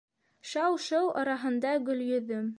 Шау-шыу араһында Гөлйөҙөм: